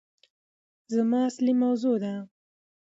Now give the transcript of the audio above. زما اصلي موضوع ده